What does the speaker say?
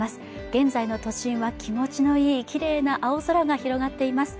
現在の都心は気持ちのいいきれいな青空が広がっています